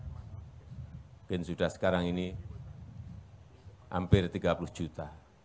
mungkin sudah sekarang ini hampir tiga puluh juta